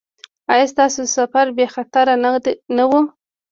ایا ستاسو سفر بې خطره نه و؟